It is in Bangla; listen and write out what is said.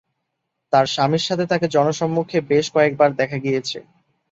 তার স্বামীর সাথে তাকে জনসম্মুখে বেশ কয়েকবার দেখা গিয়েছে।